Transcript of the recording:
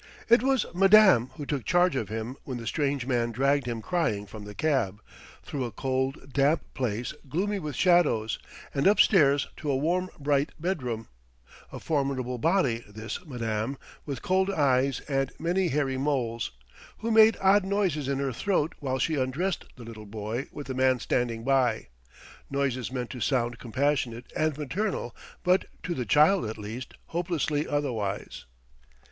It was Madame who took charge of him when the strange man dragged him crying from the cab, through a cold, damp place gloomy with shadows, and up stairs to a warm bright bedroom: a formidable body, this Madame, with cold eyes and many hairy moles, who made odd noises in her throat while she undressed the little boy with the man standing by, noises meant to sound compassionate and maternal but, to the child at least, hopelessly otherwise.